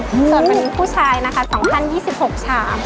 ส่วนตอนนี้ผู้ชายนะคะสองพันยี่สิบหกชาม